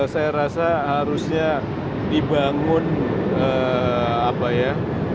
saya rasa harusnya dibangun apa ya